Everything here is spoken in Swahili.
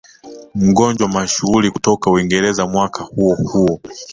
Mgonjwa mashuhuri kutoka Uingereza mwaka huo huo